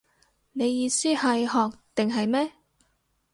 你意思係學定係咩